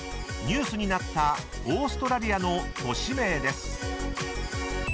［ニュースになったオーストラリアの都市名です］